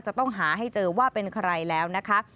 จะต้องหาให้เจอว่าเป็นใครแล้วนะคะ